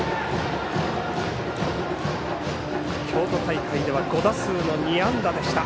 京都大会では５打数２安打でした。